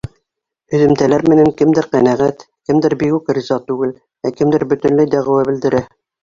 Һөҙөмтәләр менән кемдер ҡәнәғәт, кемдер бигүк риза түгел, ә кемдер бөтөнләй дәғүә белдерә.